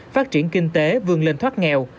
phát triển kinh tế vươn lên thoát nghèo